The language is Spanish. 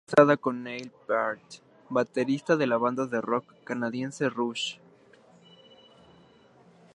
Está casada con Neil Peart, baterista de la banda de rock canadiense Rush.